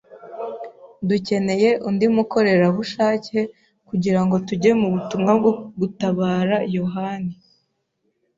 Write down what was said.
Dukeneye undi mukorerabushake kugirango tujye mu butumwa bwo gutabara yohani.